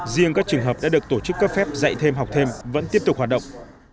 riêng các trường hợp đã được tổ chức cấp phép dạy thêm học thêm vẫn tiếp tục hoạt động